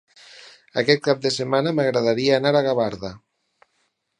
Aquest cap de setmana m'agradaria anar a Gavarda.